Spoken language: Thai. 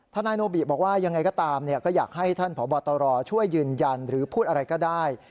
ทนายโนบิบอกว่ายังไงก็ตามก็อยากให้ท่านพบตรช่วยยืนยันหรือพูดอะไรก็ได้